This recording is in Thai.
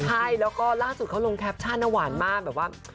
ใช่แล้วก็ล่าสุดเขาลงแคปชั่นนะหวานมากแบบว่า